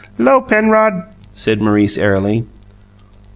"'Lo, Penrod!" said Maurice airily.